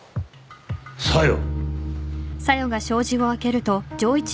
小夜。